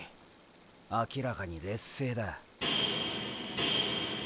明らかに劣勢だ。